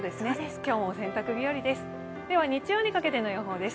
今日も洗濯日和です。